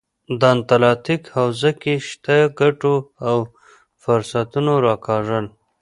په اتلانتیک حوزه کې شته ګټو او فرصتونو راکاږل.